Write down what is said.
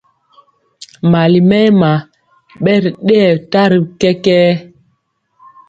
Mali mɛma bɛ ri dɛyɛ tari kɛkɛɛ.